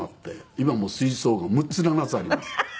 今もう水槽が６つ７つあります。